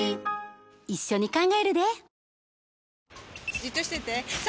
じっとしてて３！